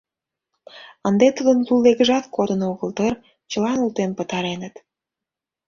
Ынде тудын лулегыжат кодын огыл дыр, чыла нултен пытареныт.